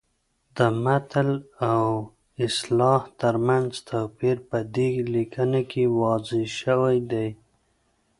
د متل او اصطلاح ترمنځ توپیر په دې لیکنه کې واضح شوی دی